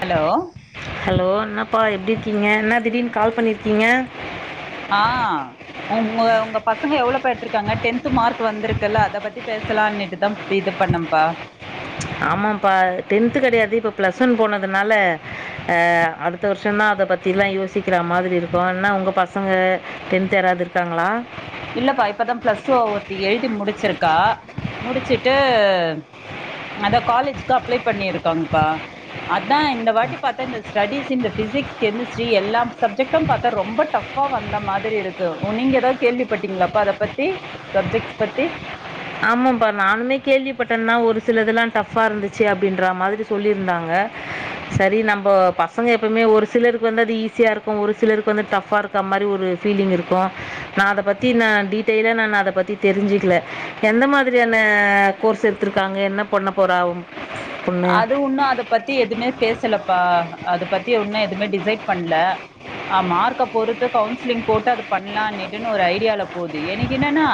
hello hello என்னப்பா எப்டி இருக் கீங்க என்ன திடீர்னு கால் பண்ணிருக்கீங்க மே எவ்ளவு பா எடுத்து இருக்காங்க டென்த் மார்க் வந்திருக்குல்ல அத பத்தி பேசலாட்டுதா இது பண்ணப்பா ஆமாப்பா டென்த் கிடையாது இப்ப பிளஸ் ஒன் போனதுனால அஹ் அடுத்த வருஷம் தான் அத பத்தி எல்லாம் யோசிக்கிற மாதிரி இருக்கும் ஏனா உங்க பசங்க டென்த் யாராவது இருக்காங்களா இல்லப்பா இப்ப தா பிளஸ் டூ ஒருத்தி எழுதி முடிச்சியிருக்கா அதா காலேஜ்க்கு அப்ளை பண்ணி இருகப அதான் இந்த வட்டி பத்த இந்த பிசிக்ஸ் செனிஸ்ட்ரி எல்லா சப்ஜெக்ட்டும் பாத்தா ரொம்ப டாவ் ஹ் வந்த மாரி இருக்கு நீங்க எதாவது கேள்வி பட்டீங்களாப்பா அத பத்தி சப்ஜெக்ட்ஸ் பத்தி ஆமாப்பா நானுமே கேள்விப்பட்டேன்னா ஒரு சிலதுெல்லாம் டஃபா இருந்துச்சு அப்படின்ற மாதிரி சொல்லிருந்தாங்க சரி நம்ம பசங்க எப்பவுமே ஒரு சிலருக்கு வந்து அது ஈஸியா இருக்கும் ஒரு சிலருக்கு வந்து டஃபா இருக்க மாதிரி ஒரு ஃபீலிங் இருக்கும் நான் அத பத்தி நான் டீட்டெயிலா நான் அத பத்தி தெரிஞ்சுிக்கல எந்த மாதிரியான கோர்ஸ் எடுத்துருக்காங்க என்ன பொண்ண போறா ஒ அது உன்னு அதை பத்தி எதுவுமே பேசலப்பா அதை பத்தி உன்னு எதுவுமே டிசைட் பண்ல மார்க்கா பொறுத்து கவுன்சில்லிங் போட்டு அத ஐடியாலா போகுது எனக்கு என்னனா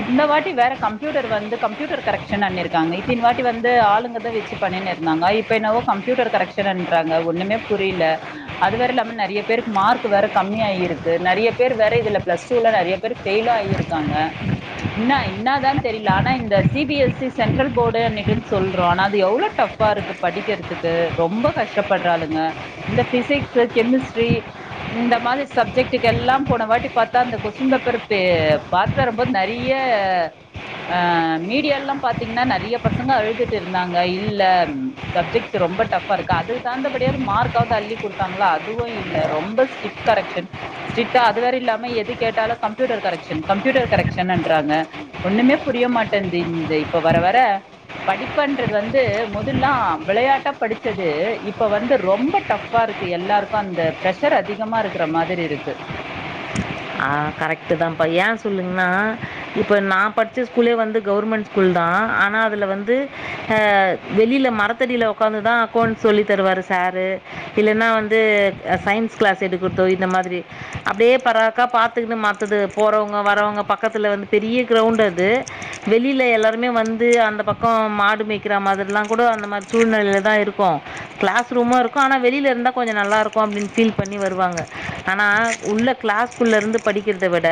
இந்த வட்டி வந்து கம்ப்யூட்டர் வந்து கம்ப்யூட்டர் கரெக்டாஷன் பண்ணிருக்காங்க இத்தனாவாட்டி ஆளுங்குங்க வச்சு பண்ணிர்ந்தக்கோ இப்போ என்னவோ கம்ப்யூட்டர் கரெக்சன் றாங்க ஒண்ணுமே புரியல அதுவந்து இல்லாம நிறைய பேர் மார்க் கம்மியா இருக்கு நிறைய பேர் வேற பிளஸ் டூலா பைளும் ஆயிருக்காங்க இன்ன ண்ணா தான் தெரியல இந்த C B S C central போர்டுனு சொல்றோம் அது எவளோ டஃபா இருக்கு படிக்கிறதுக்கு ரொம்ப கஷ்டப்படுறாளுங்க இந்த பிசிக்ஸ் கெமிஸ்ட்ரி இந்த மாரி சப்ஜெக்ட்டுக்கு எல்லாம் போன வாட்டி பார்த்தா கொஸ்டின் பேப்பர் பாரத்துட்டு வரும்போது நிறையஹ மீடியால்லாம் பாத்தீங்கன்னா நிறைய பசங்க அழுதுட்டு இருந்தாங்க இல்ல சப்ஜெக்ட்ஸ் ரொம்ப டபா இருக்கு அதுக்கு தகுந்தபடியாவது மார்க்வது அள்ளி கொடுத்தாங்களா அதுவும் இல்ல ரொம்ப ஸ்ட்ரிக்ட் கரெஷனா அது வேற இல்லாம எது கேட்டாலும் கம்ப்யூட்டர் கரெஷன் கம்ப்யூட்டர் கரெக்ஷன்றாங்க ஒண்ணுமே புரிய மாட்டேது இந்த இப்ப வர வர படிப்புன்றது வந்து வந்து முதல்லலாம் விளையாட்டா படிச்சது இப்ப வந்து ரொம்ப டஃப்பா இருக்கு எல்லாருக்கும் அந்த பிரஷர் அதிகமா இருக்கிற மாதிரி இருக்கு கரெக்ட் தான்ப்பா ஏன் சொல்லுங்கன்னா இப்ப நான் படிச்ச ஸ்கூலே வந்து கவர்மெண்ட் ஸ்கூல் தான் ஆனா அதுல வந்து வெளியில மரத்தடியில உக்காந்துதான் அக்கவுண்ட் சொல்லி தருவாரு சரு இல்லைன்னா வந்து சயின்ஸ் கிளாஸ் எடுக்கதோ இந்த மாதிரி அப்படியே பராக்கா பா து மத்தது போறவங்க வரவங்க பக்கத்துல வந்து பெரிய கிரௌண்ட் அது வெளியில எல்லாருமே வந்து அந்த பக்கம் மாடு மேய்கிற மாதிரிலாம் கூடா அந்த மாத சூழ்நிலில தான் இருக்கும் கிளாஸ் ரூ இருக்கும் ஆனா வெளியில இருந்த கொஞ்சம் நல்லா இருக்கும் பீல் பண்ணி வருவாங்க ஆனா உள்ள கிளாஸ் குள்ள இருந்து படிக்கிறத விட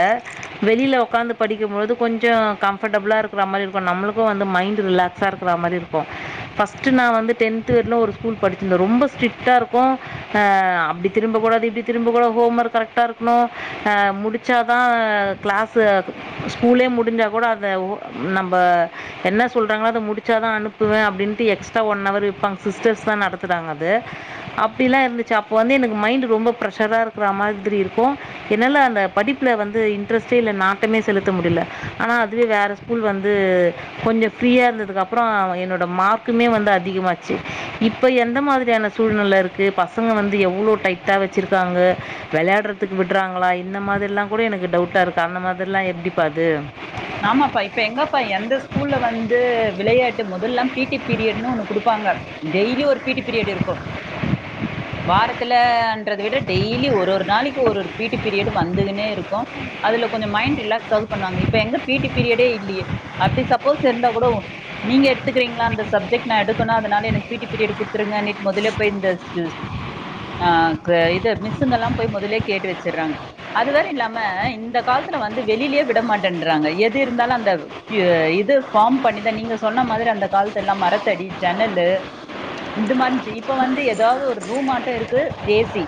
வெளியில உக்காந்து படிக்கும்போது கொஞ்ச கம்பரடா புளாக இருக்கிற மாரி இருக்கும் நம்ப வந்து மைண்ட் ரிலாக்ஸாக இருக்கிற மாரி இருக்கும் பிரஸ்ட் நா வந்து டென்த் வரைக்கும் ஒரு ஸ்கூல் படிச்சிருந்தேன் ரொம்ப ஸ்ட்ரிக்ட்டா இருக்கும் அப்படி திரும்படாது இப்படிதிரும்பட கூடாது ஹோம் ஒர்க் கரெட்டா இருக்காணும் முடித்தால் தான் க்ளாஸு ஸ்கூலே முடிஞ்சால் கூட அதை நம்ப என்ன சொல்கிறாங்களோ அதை முடித்தா தான் அனுப்புவேன் அப்படின்ட்டு எக்ஸ்ட்ரா ஒன் ஹவர் வைப்பாங்க சிஸ்டர்ஸ் தான் நடத்துிறாங்க அது அப்படிலாம் இருந்துச்சு அப்போ வந்து எனக்கு மைண்டு் ரொம்ப ஃப்ரெஷராக இருக்கிற மாதிரி இருக்கும் என்னால் அந்த படிப்புல வந்து இன்ட்ரெஸ்ட்டே இல்லை நாட்டமே செலுத்த முடியல ஆனா அதுவே வேற ஸ்கூல் வந்து கொஞ்சம் ஃப்ரீயா இருந்ததுக்கு அப்றம் என்னோட மார்க்குமே வந்து அதிகமாச்சு இப்ப எந்த மாதிரியான சூழ்நிலை இருக்கு பசங்க வந்து எவ்வளோ டைட்டா வச்சிருக்காங்க விளையாடுறதுக்கு விடுறாங்களா இந்த மாதிரி ப்படிலாம் கூட எனக்கு டவுட்டா இருக்கு அந்த மாதிரில்லா எப்படி அது ஆமாப்பா இப்ப எங்கப்பா எந்த ஸ்கூல்ல வந்து விளையாட்டு முதல்லல்லாம் பிடி பீரியடன்னு ஒண்ணு குடுப்பாங்க டெய்லி ஒரு பிடி பீரியட இருக்கும் வாரத்துலன்றத விட டெய்லி ஒரு ஒரு நாளைக்கு ஒரு ஒரு பிடி பீரியடு வந்துன்னே இருக்கும் அதுல கொஞ்சம் மைண்ட் ரிலாக்ஸ் பண்ணுவாங்க இப்ப எங்க பிடி இல்லையே சப்போஸ் அப்படி இருந்த கூட நீங்க நீங்க எடுத்துக்குறீங்கள் அந்த சப்ஜெக்ட் அதனால எனக்கு பிடி பீரியட் கொடுத்துருங்க முதல்லயே போய் மிஸ்ஸுங்க எல்லாம் போய் முதலே கேட்டு வச்சறாங்க அதுவ இல்லாம இந்த காலத்துல வந்து வெளிலயேய விட மாட் ன்றாங்க எது இருந்தாலும் அந்த போர்ம் பண்ணி தான் நீங்க சொன்ன மாரி அந்த காலத்துலம் மரத்தடி ஜன்னலு இந்துச்சி இப்ப வந்து ஏதாச்சும் ரூம்மாட்டும் இருக்கு ஏ சி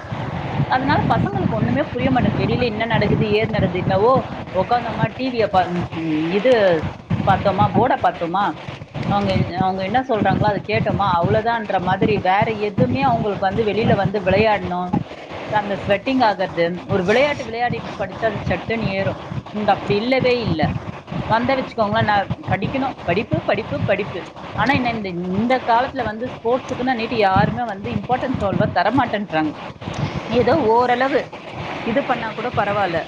பசாங்களுக்கு எதாவுமே புரிய மாட்டிங்கித்து வெளிய என்ன நடக்குது ஏது நடக்குது என்னவோ உக்காந்தாம டிவிய இது பத்தோமா போர்ட பாரத்தோமா அவங்க அவங்க என்ன சொல்றாங்களோ அதது கேட்டோமா அவ்வளோதான்ன்ற மாதிரி வேற எதுவுமே அவங்களுக்கு வந்து வெளியில வந்து விளையாடணும் அந்த ஸ்வெட்டிங் ஆகறது ஒரு விளையாட்டு விளையாடிட்டு படிச்ச அது சட்டுனு ஏறும் அடி இல்லவே இல் வந்த வச்சுக்கோங்களன் ந படிக்கணும் படிப்பு படிப்பு படிப்பு ஆனா காலத்துல வந்து ஸ்போர்ட்ஸக்கு நீ யாருமே வந்து இம்பாரன்வா தரமாட்டோங்க ஏதோ ஓரளவு இது பண்ணா கூட பரவாயில்ல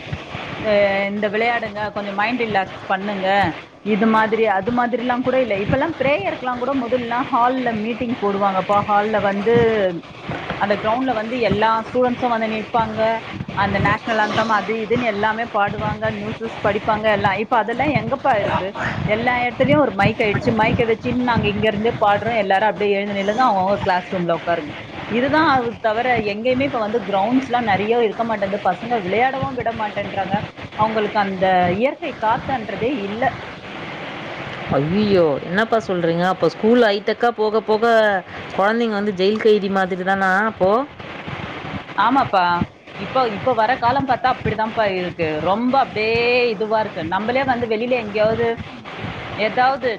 இந்த விளையாட டுங்க கொஞ்சம் மைண்ட் ரிலாக்ஸ் பண்ணுங்க இது மாரி அது மாரிலாம் கூட இல்ல இப்பலாம் பிரேயர்கு முதலாம் ஹால்ல மீட்டிங் போடுவாங்க ஹால்ல வந்து அந்த கிரௌண்ட் வந்து எல்லா ஸ்டுடென்ட்ஸ் உம் வந்து நிப்பாங்க அந்த நேஷனல் அந்தோம் அது எது எல்லாமே பாடுவாங்க நியூஸஸ் படிப்பாங்க எல்லாம் இப்ப அதெல்லாம் எங்கப்பா இருக்கு எல்லா இடத்துலயும் ஒரு மைக் ஆயிடுச்சு மைக்கை வச்சுனு நாங்க இங்க இருந்து பாடுறோம் எல்லாரும் அப்படியே எழுதி நிலங்க அவங்க கிளாஸ் ரூம்ல உக்காருங்க இதுதான் அது தவிர எங்கேயுமே இப்ப வந்து கிரவுண்ட்ஸ் எல்லாம் நிறைய இருக்க மாட்டேது பசங்க விளையாடவும் விட மாட்டேன்றறாங்க அவங்களுக்கு அந்த இந்த இயற்கை காத்தன்றதே இல்ல ஐ்யோ என்னப்பா சொல்றீங்க அப்போ ஸ்கூல் ஐட்டக்கா போக போக குழந்தைங்க வந்து ஜெயில் கைடி மாதிரி தானா அப்போ ப்பா இப்ப இப்ப வர காலம் பார்த்தா அப்படித்தான்ப்ப இருக்கு ரொம்ப அப்படியே இதுவா இருக்கு நம்மளே வந்து வெளியில எங்கேயாவது எதாவது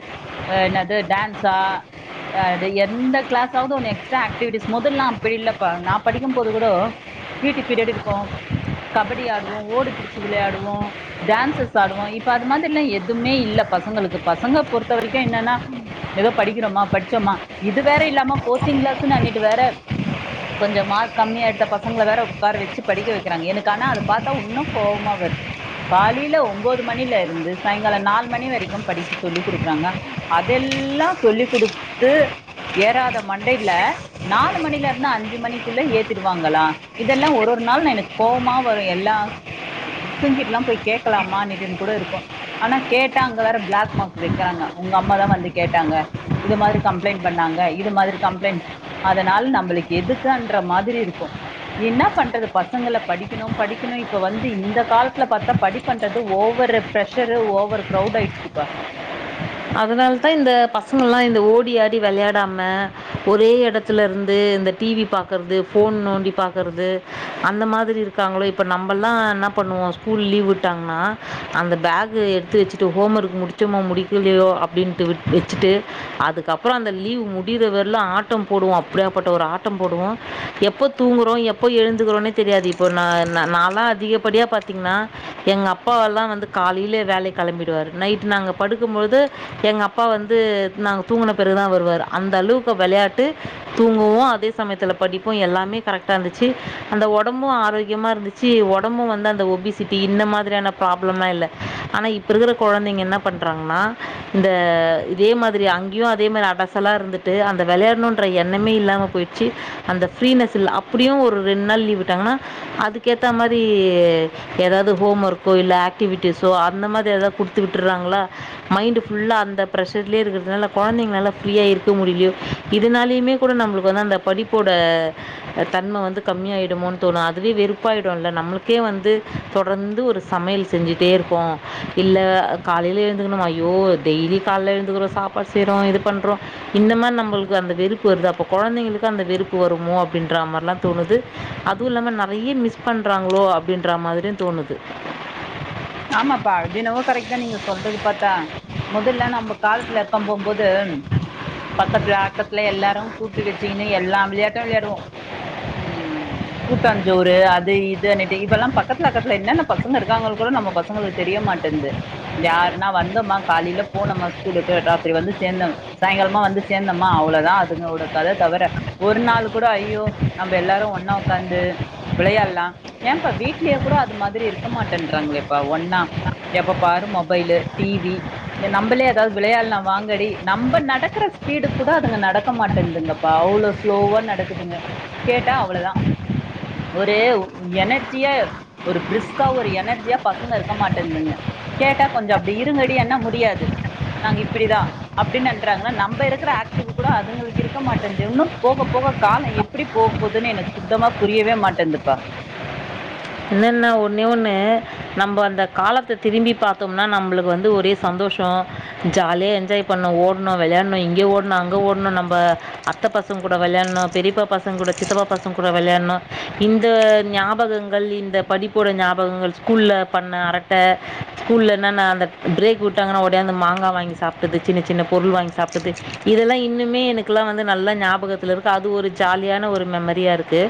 என்னது டான்ஸா எந்த கிளாஸாவது ஓ எக்ஸ்ட்ரா ஆக்டிவிட்டிஸ் முதல்லல்லாம் அப்படி இல்லப்பா நான் படிக்கும் போது கூட பீ டி பீரியட் இருக்கும் கபடி ஆடுவோம் ஓடிபிடிச்சி விளையாடுவோம் டான்சஸ்ஆடுவோம் இது மாதிரில எதுமே இல்ல பசங்களுக்கு பசங்க பொறுத்த வரைக்கும் என்ன ஏதோ படிக்கிறோமா படிச்சோமா இல்லாம கோசிங் கிளாஸ்னு அன்னைக்கு வேற கொஞ்சம் மார்க் கம்மியா எடுத்த பசங்கள வேற உக்கார வச்சு படிக்க வைக்கிறாங்க என ஆனா பார்த்தா இன்னும் கோபமா வருது காலையில ஒன்பது மணில இருந்து சாயங்காலம் நாலு மணி வரைக்கும் படிக்க சொல்லிடுக்கறாங்க அதெல்லாம் சொல்லி் கொடுத்து ஏறாத மண்டையில நாலு மணில இருந்து அஞ்சு மணிக்குள்ள ஏத்திரு வாங்கலாஇதெல்லாம் ஒரு ஒரு நாள் எனக்கு கோபமா வரும் எல்லா மிஸ்ங்கிட்டல்லாம் போய் கே்கலாமட்டுன்ன கூட இருக்கும் ஆனா கேட்டா அங்க வேற பிளாக் மார்க் வைக்கிறாங்க உங்க அம்மா தான் வந்து கேட்டாங்க இத மாதிரி கம்ப்ளைண்ட் பண்ணாங்க இது மாதிரி கம்ளைண்ட் அதனால நம்மளுக்கு எதுக்குன்ற மாதிரி இருக்கும் என்ன பண்றது பசங்கள படிக்கணும் படிக்கணும் இப்ப வந்து இந்த காலத்துல பாத்தா படி பண்றது ஓவரு பிரஷரு ஓவர் கிரௌட் ஆயிடுச்சுப்பா அதனால தான் இந்த பசங்க எல்லாம் இந்த ஓடி ஆடி வெளையாடாம ஒரே எடத்துல இருந்து இந்த டிவி பாக்கறது போன் நோண்டி பாக்குறது அந்த மாதிரி இருக்காங்களோ இப்ப நம்மல்லாம் என்ன பண்ணுவோம் ஸ்கூல் லீவ் விட்டாங்கன்னா அந்த பேக் எடுத்து வச்சுட்டு ஹோம் ஒர்க் முடிச்சோமா முடி அப்படின்ட்டு வச்சுட்டு அதுக்கப்புறம் அந்த லீவ் முடியிறவர்லும் ஆட்டம் போடுவோம் அப்படியாப்பட்ட ஒரு ஆட்டம் போடுவோம் எப்போ தூங்குறோம் எப்போ எழுதுகிறோம்னே தெரியாது இப்போ நல்லாம் அதிகப்படியா பா்த்தீங்கன்னா எங்க அப்பாவெல்லாம் வந்து காலையில வேலை கிளம்பிடுவாரு நைட்டு நாங்க படு து எங்க அப்பா வந்து நாங் தூங்கின பிறகுதான் வருவரு அந்த அளவுக்கு விளையாட்டு தூங்குவோம் அதே சமயத்துல படிப்போ எல்லாமே கரெக்டா இருந்துச்சு அந்த ஒடம்பும் ஆரோக்கியமா இருந்துச்சு ஒடம்பும் வந்து அந்த ஒபிசிட்டி இந்த மாதிரான பிராப்ளம் இல்ல ஆன இப்ப இருக்கிற கொழந்தைங்க என்ன பண் றாங்னா இந்த இதே மாதிரி அங்கேயும் அதே மாதிரி அடசலா இருந்துட்டு அந்த விளையாடணுன்ற எண்ணமே இல்லாமல் போயிடுச்சு அந்த ஃப்ரீனஸ் அப்படியும் ஒரு ரெண்டு நாள் லீவ் விட்டாங்கன்னா அதுக்க ஏற்ற மாதிரி ஏதாவது ஹோம் ஒர்க்கோ இல் ஆக்டிவிட்டிஸோ அந்த மாதிரி எதாது கொடுத்து விட்டுருறாங்களா மைண்ட்ஃபுல்லா அந்த பிரஷர்லயே இருக்கிறதுனால கொழந்தைங்கல்லா ஃப்ரீயா இருக்க முடில்லியோ இதுனாலயுமே கூட நம்மளுக்கு வந்து அந்த படிப்போட தன்ம வந்து கம்மியாயிடமோ தோணும் அதுவே வெறுப்பாயிடும்ல்ல நம்மளுக்கே வந்து தொடர்ந்து ஒரு சமையல் செஞ்சுட்டே இருக்கோம் இல்ல காலையில எந் ஐயோ டெய்லி கால எழுந்துக்கிறோம் சாப்பாடு செய்யறோம் இது பண்றோம் இந்த மாரி நம்மளுக்கு அந்த வெறுப்பு வருது அப்ப கொழந்தைங்களுக்கு அந்த வெறுப்பு வருமோ அப்படின்ற மாரிலாம் தோணுது அதுவும் இல்லாம நெறைய மிஸ் பண்றாங்களோ அப்படின்ற மாதிரியும் தோணுது ஆமாப்பா அதெனமோ கரெக்ட் தான் நீங்க சொல்றது பாத்தா முதல்ல நம்ம காலத்துல இருக்க போம்போது பக்கத்துல அக்கத்துல எல்லாரும் கூட்டி வச்சக்கின்னு எல்லாம் விளையாட்டும் விளையாடுவோம் உம் கூட்டஞ்சோறு அது இது ஆன இப்பெல்லாம் பக்கத்துல அக்கத்துல என்னென்ன பசங்க இருக்காங்க கூட நம்ம பசங்களுக்கு தெரிய மாட்டேன்து யாருன்னா வந்தோம்மா காலில போனோமா ஸ்கூலுக்கு ராத்திரி வந்து சேரந்தோ சாயங்காலமா வந்து சேந்தோம்மா அவ்ளவுதான் அதுங்கட கத தவிர ஒரு நாள் கூட ஐயோ நம்ம எல்லாரும் ஒண்ணா உக்காந்து விளையால்லாம் ஏன் பா வீட்லயே கூட அது மாதிரி இருக்க மாட்டேன்றாங்களே ப்ப ஒன்னா எப்ப பாரு மொபைலு டிவி நம்மளே ஏதாவது விளையால்லாம் வாங்கடி நம்ம நடக்கிற ஸ்பீடு கூட அதுங்க நடக்க மாட்டேதுங்கப்பா அவ்வளோ ஸ்லோவா நடக்குதுங்க கேட்டா அவ்வளவுதான் ஒரு எனர்ஜியா ஒரு பிரிஸ்க்கா ஒரு எனர்ஜியா பசங்க இருக்க மாட்டந்துங்க கேட்டா கொஞ்சம் அப்படி இருங்கடி என்னா முடியாது நாங்க இப்படிதான் அப்படின்னு நன்றாங்கன்னா நம்ம இருக்கிற ஆக்டிவ் கூட அதுங்களுக்கு இருக்க மாட்டேங்து இன்னும் போக போக காலம் எப்படி போ போதுன்னு எனக்கு சுத்தமா புரியவே மாட்டந்துப்பா என்னன்னா ஒன்னே ஒண்ணு நம்ம அந்த காலத்த திரும்பி பாத்தோம்னா நம்மளுக்கு வந்து ஒரே சந்தோஷம் ஜாலியா என்ஜாய் பண்ணும் ஓனும் விளையாணும் இங்க ஓணும் அங்க ஓணும் நம்ம அத்த பசங்க கூட விளையாடணும் பெரியப்பா பசங்க கூட சித்தப்பா பசங்க கூட விளையாணும் இந்த ஞாபகங்கள் ஞாபகங்கள் படிப்போட ஞாபகங்கள் ஸ்கூல்ல பண்ண அரட்ட ஸ்கூல்ல என்ன்னா பிரேக் விட்டாங்கனா ஓடியாந்து மாங்கா வாங்கி சாப்பிட்டது சின்ன சின்ன பொருள் வாங்கி சாப்டது இதெல்லாம் இன்னுமே எனக்குலா நல்ல ஞாபத்தில இருக்கு அது ஒரு ஜாலியான ஒரு மெமரியா இருக்கு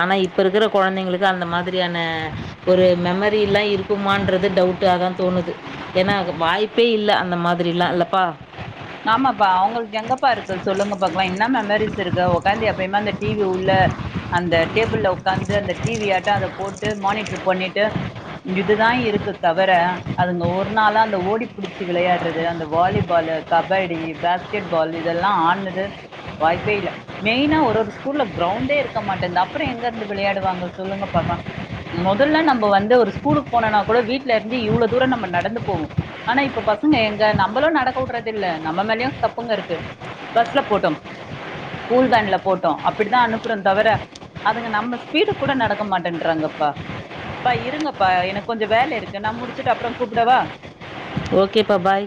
ஆனா இப்ப இருக்கிற கொழந்தைங்களுக்கு அந்த மாதிரி ரியான ஒரு மெமரி எல்லாம் இருக்குமான்றது டவுட் அதான் தோணுது ஏன்னா வாய்ப்பே இல்ல அந்த மாதிரில்லாம் இல்லப்பா ஆமாப்பா அவங்களுக்கு எங்கப்பா இருக்கு சொல்லுங்க பாக்கலாம் இன்னா மெமரிஸ் இருக்கு உக்காந்து எப்பயும அந்த டிவி உள்ள அந்த டேபிள்ல உக்காந்து அந்த டிவி யாட்ட அத போட்டு மானிடர் பண்ணிட்டு இதுதான் இருக்கு தவிர அதுங்க ஒரு நாளா அந்த ஓடி புடிச்சு விளையாடுறது அந்த வாலிபாலு கபடி பேஸ்கெட் பால் இதெல்லாம் ஆட்னது வாய்ப்பே இல்ல மெயினா ஒரு ஒரு ஸ்கூல்ல கிரவுண்டே இருக்க மாட்டேன்து அப்புறம் எங்க இருந்து விளையாடுவாங்க சொல்லுங்க பாக்லா முதல்ல நம்ம வந்து ஒரு ஸ்கூலுக்கு போனோனா கூட வீடல இருந்து இவ்வளோ தூரம் நம்ம நடந்து போவோம் ஆனா இப்ப பசங்க எங்க நம்மளும் நடக்க றது இல்ல நம்ம மேலயும் தப்புங்க இருக்கு பஸ்ல போட்டோம் ஸ்கூல் வேன்ல போட்டோம் அப்படிதான் அனுப்புறோம் தவிர அதுங்க நம்ம ஸ்பீடு கூட நடக்க மாட்டேறாங்கப்பாப்பா இருங்கப்பா எனக்கு கொஞ்சம் வேல இருக்கு நான் முடிச்சுட்டு அப்புறம் கூப்பிடவா ஓகேப்பா பாய்